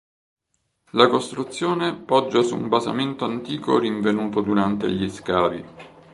La costruzione poggia su un basamento antico rinvenuto durante gli scavi.